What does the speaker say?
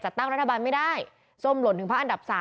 ตั้งรัฐบาลไม่ได้ส้มหล่นถึงพักอันดับ๓